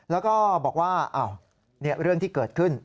แล้วก็บอกว่าเรื่องที่เกิดขึ้น